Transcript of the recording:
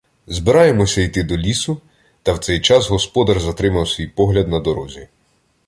Збираємося йти до лісу, та в цей час господар затримав свій погляд на дорозі.